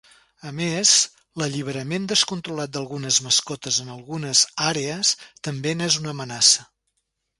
A més, l'alliberament descontrolat d'algunes mascotes en algunes àrees també n'és una amenaça.